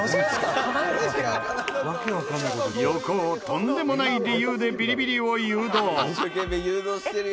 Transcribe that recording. とんでもない理由でビリビリを誘導。